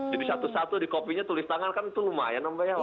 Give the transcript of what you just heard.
jadi satu satu di copy nya tulis tangan kan itu lumayan mbak ya waktunya